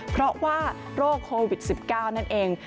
เพราะว่าโรคโควิด๑๙นั่นเอง